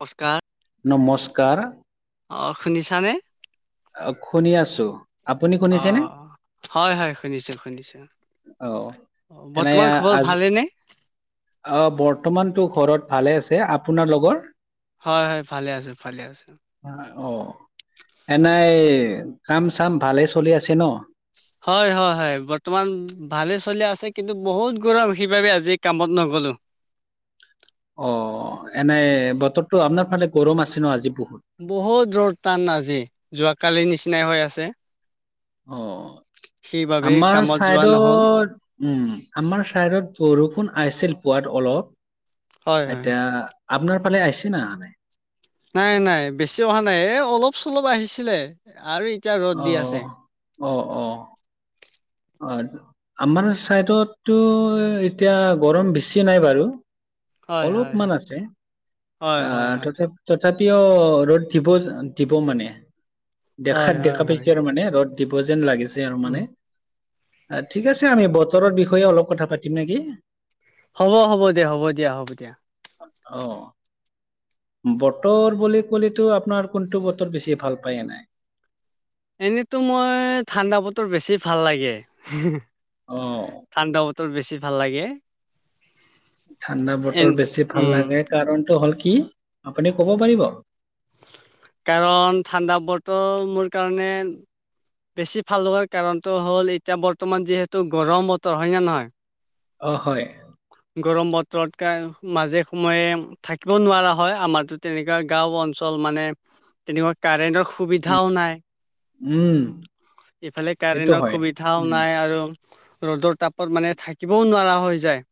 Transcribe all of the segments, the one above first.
নমস্কাৰ। নমস্কাৰ। অ, শুনিছানে। অ শুনি আছো। আপুনি অ শুনিছেনে হয় হয় শুনিছো শুনিছো। অ অ বৰ্তমান খবৰ ভালে নে? আহ বৰ্তমানতো ঘৰত ভালে আছে। আপোনাৰ লগৰ হয় হয় ভালে আছো ভালে আছো। অ এনেই কাম-চাম ভালে চলি আছে ন? হয় হয় হয় বৰ্তমান ভালে চলি আছে, কিন্তু বহুত গৌৰৱ সেইবাবে আজি কামত নগল নগলো। অ এনেই বতৰটো আপোনাৰ ফালে গৰম আছে ন আজি? বহুত বহুত ৰ'দ টান আজি, যোৱাকালি নিচিনাই হৈ আছে। অ। সেইবাবেই আমাৰ কামত যোৱা নহ'ল চাইদত, উম আমাৰ চাইদত বৰষু ষূণ আছিল পোৱাত অলপ, হয় হয়। এতিয়া আপনাৰ ফালে আইছে না আহা নাই? নাই নাই বেছি অহা নাই, এ অলপ চলপ আহিছিলে আৰু এতিয়া ৰ'দ দি আছে। অহ-অহ-অহ। অ আমাৰ চাইডতো এতিয়া গৰম বেছি নাই বাৰু। হয় হয় অলপমান হয় আছে, হয় হয় আহ হয় তথাপ তথাপিও ৰ'দ দিব দিব মানে হয় দেখাত হয় দেখা হয় পাইছে আৰু মানে ৰ'দ দিব যেন লাগিছে আৰু উম মানে। ঠিক আছে আমি বতৰৰ বিষয়ে অলপ কথা পাতিম নেকি। হ'ব-হ'ব দেয়া হ'ব দিয়া হ'ব দিয়া। অ। বতৰ বুলি ক'লেতো আপোনাৰ কোনটো বতৰ বেছি ভাল পায়ে এনে? এনেইতো মই ঠাণ্ডা বতৰ বেছি ভাল লাগে। অ', ঠাণ্ডা বতৰ বেছি ভাল লাগে। ঠাণ্ডা এন বতৰ বেছি ভাল উম লাগে, কাৰণটো হ'ল কি কি? আপুনি ক'ব পাৰিব? কাৰণ ঠাণ্ডা বতৰ মোৰ কাৰণে বেছি ভাল হোৱাৰ কাৰণটো হ'ল, এতিয়া বৰ্তমান যিহেতু গৰম বতৰ, হয়ে নে নহয়? অ হয়। গৰম বতৰতকৈ মাজে সময়ে থাকিব নোৱাৰা হয়। আমাৰতো তেনেকুৱা গাঁও অঞ্চল মানে তেনেকুৱা কাৰেনৰ সুবিধাও নাই। উম, ইফালে এইটো কাৰেণ্টৰ হয় সুবিধাও উম, নাই আৰু ৰ'দৰ তাপত মানে থাকিবও নোৱাৰা হৈ যায়।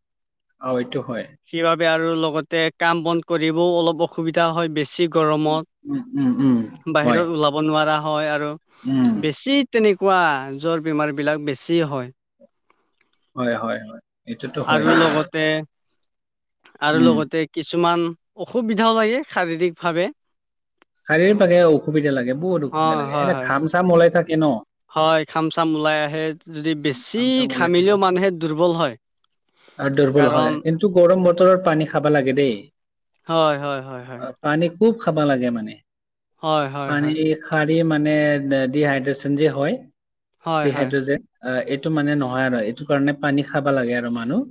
অ এইটো হয়। সেইবাবে আৰু লগতে কাম-বন কৰিবও অলপ অসুবিধা হয়, বেছি গৰমত, উম, উম, উম, হয়। বাহিৰত ওলাব নোৱাৰা হয় আৰু উম। সি তেনেকুৱা জ্বৰ বেমাৰবিলাক বেছি হয়। হয়-হয়-হয় এইটোটো হয়। আৰু লগতে আৰু উম, লগতে কিছুমান অসুবিধাও লাগে শাৰীৰিক ভাৱে। সৰিপাকে অসুবিধা লাগে, বহুত অসুবিধা হয় লাগে। হয় এনে ঘ হয়। খাম চাম ওলাই থাকে ন। হয়। ঘাম-চাম ওলাই আহে। যদি বেছি ঘাম চাম ওলাই থাকে ঘামিলেও মানুহে দুৰ্বল হয়। আৰু দুৰ্বল কাৰণ হয়। কিন্তু গৰম বতৰৰ পানী খাবা লাগে দেই। হয়-হয়-হয়-হয়। আহ, পানী খুব খাব লাগে মানে। পানী হয়-হয়-হয়। শাৰী এই মানে ডিহাইড্ৰেচন যে হয়। হয় হয় হয় ডিহাইড্ৰেজন এ অ টো মানে নহয়, আৰু এইটো কাৰণে পানী খাবা লাগে আৰু মানুহ।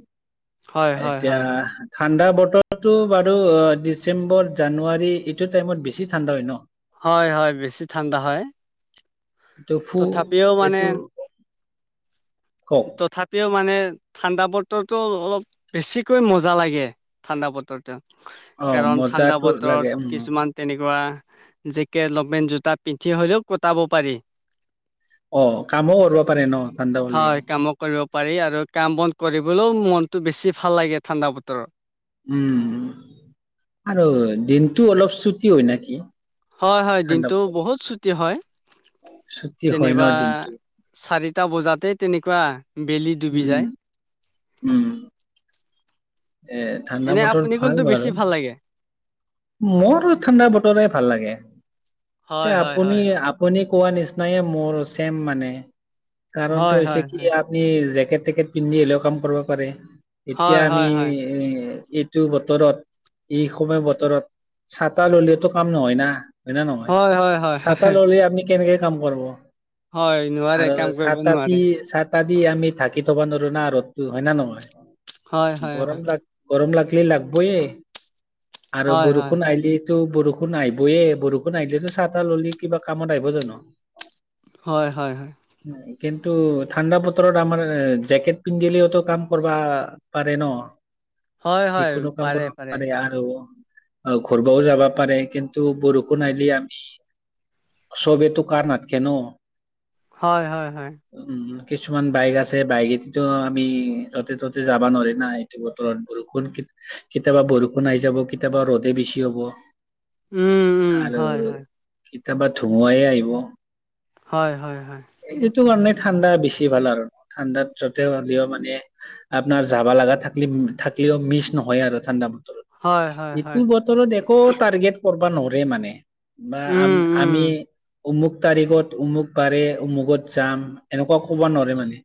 হয় হয় হয় এতিয়া হয় হয় ঠাণ্ডা বৰ্ত টো বাৰু ডিচেম্বৰ জানুৱাৰী এইটো টাইমত বেছি ঠাণ্ডা হয় ন হয় হয় বেছি ঠাণ্ডা হয়। তফু তথাপিও এইটো মানে কওক তথাপিও মানে ঠাণ্ডা বতৰতো অলপ বেছিকৈ মজা লাগে। ঠাণ্ডা বতৰটো অ কাৰণ ঠাণ্ডা মজাটো লাগে বতৰত উম কিছুমান তেনেক জেকেট লপেন জোতা পিন্ধি হ'লেও কটাব পাৰি। অ' কামো কৰিব পাৰে ন ঠাণ্ডা বুলি হয় কামো কৰিব পাৰি আৰু কাম বন কৰিবলৈও মনটো বেছি ভাল লাগে ঠাণ্ডা বতৰত উম আৰু দিনটো অলপ চুটি হয় নেকি? হয়, হয় ঠাণ্ডা দিনটো বতৰ বহুত ছুটি হয়। ছুটি হয় ন যেনিবা দিনটো চাৰিটা বজাতে তেনেকুৱা। বেলি ডুবি উম যায়। উম এ ঠাণ্ডা এনে বতৰ আপুনি কোনটো ভাল বেছি বাৰু ভাল লাগে মোৰো ঠাণ্ডা বতৰে ভাল লাগে। হয় এয়া হয় আপুনি হয় হয় আপুনি কোৱা নিচিনাইে মোৰ ছেম মানে হয় কাৰণটো হৈছে হয় হয় কি আমি টেকেট পিন্ধি হ'লেও কাম কৰিব পাৰে এতিয়া হয় আমি হয় হয় এ এইটো বতৰত এই সময় বতৰত ছাতা ললেটো কাম নহয় না হয় না নহয়, হয় হয় হয় হয় ছাতা হয় ললে আপুনি কেনেকে কাম কৰবো হয় নোৱাৰে আৰু কাম কৰিব ছাত নোৱাৰে আতি দি আমি ধাকি থবা নোৱাৰো না ৰ'দতো হয় না নহয় হয় হয় গৰম হয় ল গৰম লাগ লাগবোয়ে আৰু হয় হয় বৰষুণ আহিলি ত' বৰ বৰষুণ আহিবয়েই, বৰষুণ আহিলেতো ছাতা ল'লি কিবা কামত আহিব জানো হয়, হয়, হয়। উম, কিন্তু ঠাণ্ডা বতৰত আমাৰ জেকেট পিন্ধিলেওতো কাম কৰিবা পাৰে হয় হয় ন' হয় যিকোনো কাম কৰিব পাৰে আৰু আহ ঘুৰিবও যাবা পাৰে, কিন্তু বৰষূণ আহিলে আমি চবে টো কাৰ নাথাকে ন হয়, হয়, হয়। উম কিছুমান বাইক আছে বাইকে দিটো আমি য'তে ত'তে যাব নোৱাৰো না এইটো বতৰত বৰষুণ কেতিয়াবা বৰষুণ আহি যাব কেতিয়াবা ৰ'দ বেছি হ'ব উম উম আৰু হয় হয় কেতিয়াবা ধুমুহায়েইে আহিব হয়, হয়, হয়। এইটো কাৰণে ঠাণ্ডা বেছি ভাল আৰু ঠাণ্ডাত যতে হ'লেও মানে আপোনাৰ যাবা লাগা থাকলি [unintelligible] মিছ নহয় আৰু ঠাণ্ডা বতৰত হয়, হয়, হয়। এইটো বতৰত একো টাৰ্গেট কৰবা নৰে মানে বা আম উম উম আমি উমুক তাৰিখত, উমুক বাৰে, উমুকত যাম এনেকুৱা কব নোৱাৰে মানে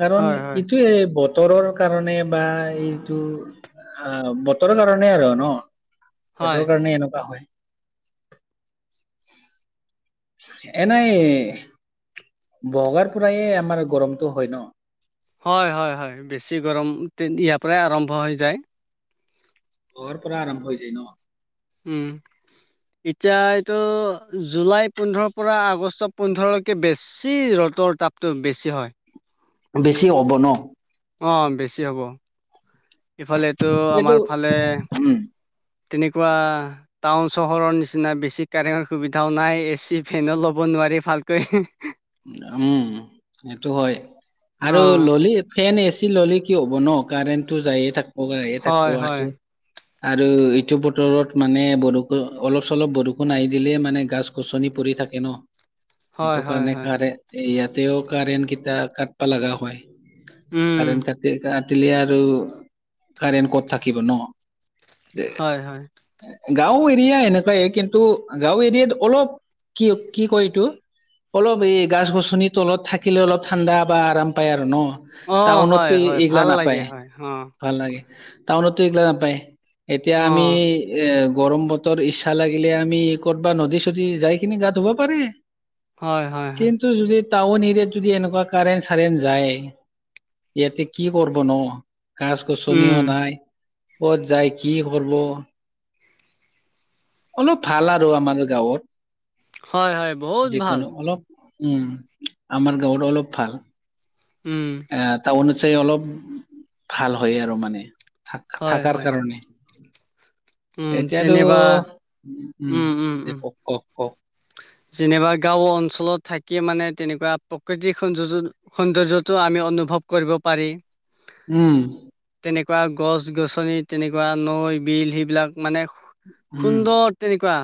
কাৰণ হয় হয় এইটোয়ে বত বতৰৰ কাৰণে বা এইটো অ' বতৰৰ কাৰণে আৰু ন হয় বতৰৰ কাৰণে এনেকুৱা হয়। [inaudible] এনেই বগাৰ পৰায়ে আমাৰ গৰমটো হয় ন? হয়, হয়, হয় বেছি গৰম দিন ইয়াৰ পৰাই আৰম্ভ হৈ যায়। [unintelligible] পৰা আৰম্ভ হৈ যায় ন? উম। এতিয়া এইটো জুলাই পোন্ধৰৰ পৰা আগষ্ট পোন্ধৰলৈকে বেছি ৰ তৰ তাপটো বেছি হয়। বেছি হ'ব ন। অ বেছি হ'ব ইফালেতো এইটো আমাৰ ফালে উম তেনেকুৱা টাউন চহৰৰ নিচিনা বেছি কাৰেণ্ট সুবিধাও নাই এ চি ফেনো ল'ব ন নোৱাৰা ভালকৈ উম সেটো হয় আৰু অ', ললি ফেন এচ ললি কি হ'ব ন কাৰেণ্টটো যায়ে থাকপ আহিয়ে থাকপ হয়, হয়, আহাটো। আৰু ইটো বতৰত মানে বৰষু অলপ চলপ বৰষুণ আহি দিলে মানে গাছ গছনি পৰি থাকে ন। হয় হয় হ তাৰে ইয়াতেও কাৰেণ কিটা কাতপা লাগা হয় উম, কাৰেণ কাটি কা টিলে আৰু কাৰেণ্ট ক'ত থাকিব ন। হয় হয়। গাঁও এৰিয়া এনেকুৱাই কিন্তু গাঁও এৰিয়াত অলপ কিউক কি কয় এইটো অলপ অৱে গাছ গছনি তলত থাকিলে অলপ ঠাণ্ডা বা আৰাম পায় আৰু ন। অ', টাউনতো হয়, এ হয়, এইগিলা ভাল নাপায় লাগে হয়, অ', ভাল লাগে। টাউনতো এইগিলা নাপায় এতিয়া আমি অ', এ গৰম বতৰ ইছা লাগিলে আমি ক'তবা নদী চদী যাই কিনে গা ধুবা পাৰে। হয় হয় হয়। কিন্তু যদি টাউন এৰিয়াত যদি এনেকুৱা কাৰেণ চাৰেণ যায় ইয়াতে কি কৰব নো। গাছ গছনিও উম, নাই ক'ত যাই কি কৰব। অলপ ভাল আৰু আমাৰ গাঁওত। হয় হয় বহুত ভাল। উম, আমাৰ গাঁওত অলপ ভাল। উম, এতা অনুযায়ী অলপ ভাল হয় আৰ মানে। থা হয়, থাকাৰ হয়, কাৰণে। উম, এতিয়াতো যেনিবা উম দে ক ক ক যেনিবা গাঁও অঞ্চলত থাকিয়ে মানে তেনেকুৱা প্ৰকৃতিক সৌনজজন সৌন্দৰ্য্যটো আমি অনুভৱ কৰিব পাৰি। উম। একবাৰ গছ গছনি তেনেকুৱা নৈ বিল সেইবিলাক মানে উম খুন্দৰ তেনেকুৱা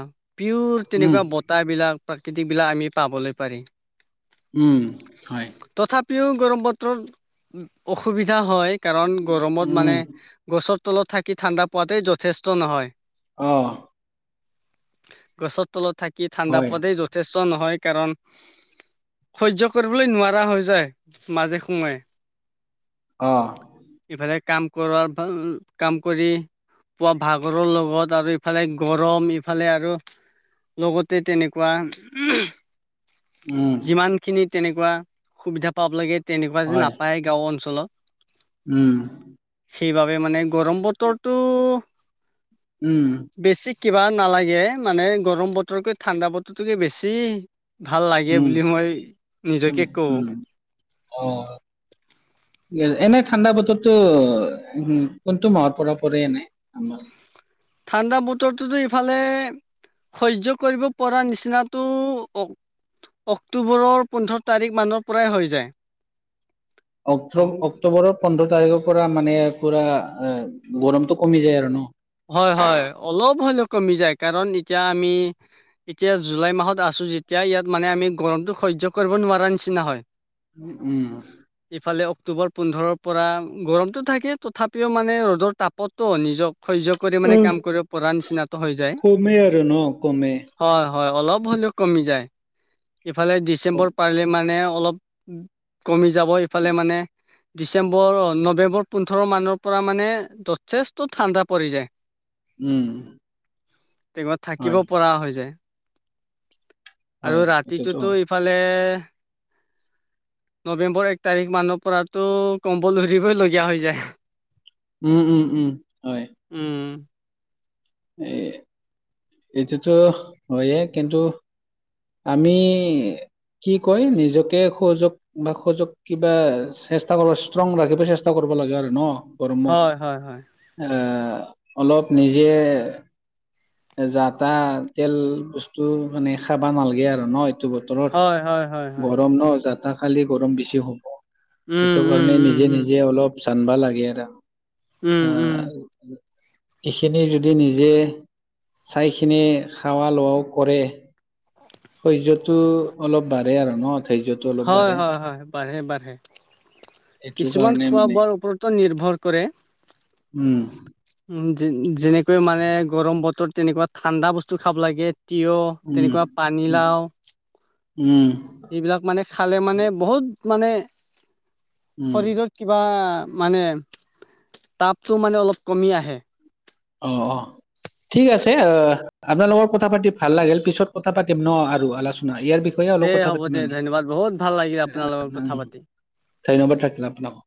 পিউৰ উম তেনেকুৱা বতা বিলাক প্ৰাকৃতিক বিলা আমি পাবলে পাৰি। উম হয়। পিও গৰম বতৰত অসুবিধা হয় কাৰণ গৰমত মানে উম গছত তলত থাকি ঠাণ্ডা পোৱাতেই যথেষ্ট নহয়। অ'। গছৰ তলত থাকি ঠাণ্ডা হয় পোৱতেই যথেষ্ট নহয় কাৰণ সয্য কৰিবলৈ নোৱাৰা হৈ যায় মাজে সময়ে। অ ইফালে কাম কৰোব কাম কৰি। পুৱা ভাগৰৰ লগত আৰু ইফালে গৰম ইফালে আৰু লগতে তেনেক কোৱা উম যিমানখিনি তেনেকুৱা সুবিধা পাব লাগে তেনেকুৱা যে হয় নাপায় গাঁও অঞ্চলত। উম। সেইবাবে মানে গৰম বতৰটো উম। বেছি কিবা নালাগে মানে গৰম বতৰকৈ ঠাণ্ডা বতৰটোকে বেছি ভাল লাগে উম বুলি মই উম নিজকে কওঁ। উম অ। এনেই ঠাণ্ডা বতৰতটো কোনটো মাহৰ পৰা পৰে এনে। ঠাণ্ডা বতৰটোতো ইফালে সয্য কৰিব পৰা নিচিনাতটো অক্টোবৰৰ পোন্ধৰ তাৰিখমানৰ পৰাই হৈ যায়। অ অ-অক্টোবৰৰ পোন্ধৰ তাৰিখৰপৰা মানে পুৰা গৰমটো কমি যায় আৰু ন'। হয়, হয় অলপ হ'লে কমি যায় কাৰণ এতিয়া আমি এতিয়া জুলাই মাহত আছ ছোঁ যেতিয়া ইয়াত মানে আমি গৰমটো সহ্য কৰিব নোৱাৰা নিচিনা হয়। উম, উম। ইফালে অক্টোবৰ পোন্ধৰৰপৰা গৰমটো থাকে তথাপিও মানে ৰ'দৰ তাপতো নিজক সয্য কৰি মানে কাম কৰিব পৰা নিচ কমে আৰু ন' কমে। হয় হয়, অলপ হ'লেও কমি যায়, ইফালে কম ডিচেম্বৰ পাৰিলে মানে অলপ কমি যাব ইফালে মানে ডিচেম্বৰ, নৱেম্বৰ পোন্ধৰ মানৰ পৰা মানে যথেষ্ট ঠাণ্ডা পৰি যায়। উম। তেকুৱা থাকিব হয় পৰা হৈ যায়। আৰু হয় এইটোতো ৰাতিটোতো হয় ইফালে নৱেম্বৰ এক তাৰিখ মানৰ পৰাতো কম্বল উৰিবই লগীয়া হৈ যায়। উম, উম, উম। হয় উম। এ, এইটোতো হয়ে কিন্তু আমি কি কয় নিজকে সহযোগ বা সহযোগ কিবা চেষ্টা কৰবা ষ্ট্ৰং ৰাখিব চেষ্টা কৰক ব লাগে আৰু ন'গৰমত? হয়, হয়, হয়, এ, অলপ নিজে যা তা তেল বস্তু মানে খাবা নালাগে আৰু ন'? টো বতৰত হয়, হয়, হয়, হয়। গৰম ন'? যাত তা খালি গৰম বেছি হ'ব। উম, সেইটো উম, কাৰণে উম, নিজে উম, নিজে অলপ জানবা লাগে আৰু। উম, আ, উম, এইখিনি যদি নিজেই চাইখিনি খাৱা লোৱাও কৰে সহ্যতো অলপ বাঢ়ে আৰু ন'? ধৈৰ্যটো অলপ হয়, বাঢ়ে হয়, হয়। বাঢ়ে, বাঢ়ে। এইটো কিছুমান কাৰণে খোৱা মানে বোৱাৰ ওপৰতো নিৰ্ভৰ কৰে। উম। যে-যেনেকৈ মানে গৰম বতৰত তেনেকুৱা ঠাণ্ডা বস্তু খাব লাগে। তিয়হ উম তেনেকুৱা উম পানীলাও। উম এইবিলাক মানে খালে মানে বহুত মানে উম শৰীৰত কিবা মানে তাপটো মানে অলপ কমি আহে। অ', অ'। ঠিক আছে। আপোনাৰ লগত কথা পাতি ভাল লাগিল। পিছত কথা পাতিম ন' আৰু আলচোনাই ইয়াৰ বিষয়ে দে অলপ কথা হ'ব পাতিম দে আমি। ধন্যবাদ বহুত ভাল লাগিল আপোনাৰ লগত উ কথা পাতি। ধন্যবাদ থাকিল আপোনাকো।